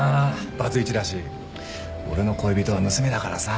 バツイチだし俺の恋人は娘だからさ。